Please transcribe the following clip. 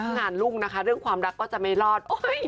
งานรุ่งนะคะเรื่องความรักก็จะไม่รอด